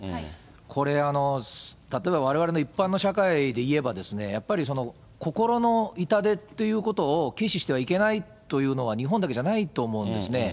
これ、例えばわれわれの一般の社会でいえばやっぱり心の痛手っていうことを軽視してはいけないというのは日本だけじゃないと思うんですね。